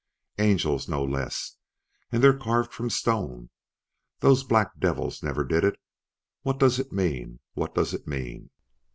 "Angels no less! And they're carved from stone! Those black devils never did it. What does it mean? What does it mean!"